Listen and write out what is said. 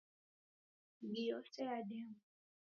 Midi yose yademwa